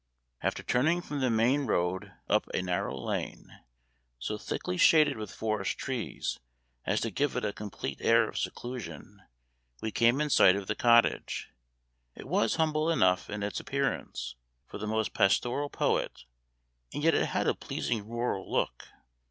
After turning from the main road up a narrow lane, so thickly shaded with forest trees as to give it a complete air of seclusion, we came in sight of the cottage. It was humble enough in its appearance for the most pastoral poet; and yet it had a pleasing rural look.